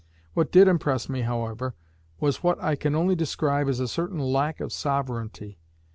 What did impress me, however, was what I can only describe as a certain lack of sovereignty.